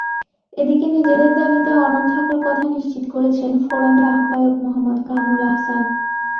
এদিকে নিজেদের দাবিতে অনড় থাকার কথা নিশ্চিত করেছেন ফোরামের আহ্বায়ক মুহাম্মদ কামরুল আহসান।